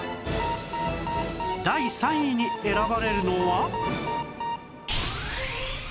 第３位に選ばれるのは